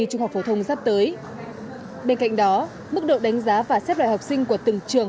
trung học phổ thông sắp tới bên cạnh đó mức độ đánh giá và xếp loại học sinh của từng trường